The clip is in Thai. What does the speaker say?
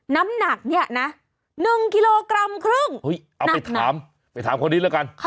น้ำหนักเนี่ยนะ๑กิโลกรัมครึ่งเอาไปถามไปถามคนนี้แล้วกัน